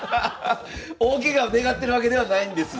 大ケガを願ってるわけではないんです。